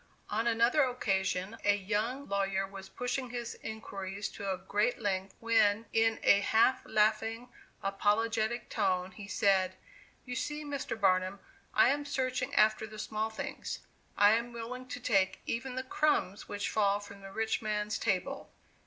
On another occasion, a young lawyer was pushing his inquiries to a great length, when, in a half laughing, apologetic tone, he said: "You see, Mr. Barnum, I am searching after the small things; I am willing to take even the crumbs which fall from the rich man's table!"